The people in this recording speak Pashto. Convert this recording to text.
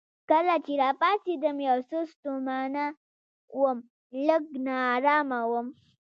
کله چې راپاڅېدم یو څه ستومانه وم، لږ نا ارامه وم.